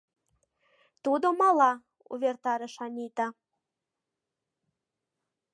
— Тудо мала, — увертарыш Анита.